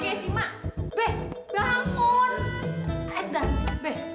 kayak sih mak